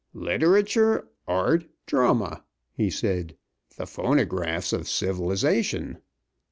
"Literature, art, drama," he said, "the phonographs of civilization.